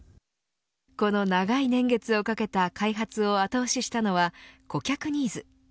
この長い年月をかけた開発を後押ししたのは顧客ニーズ。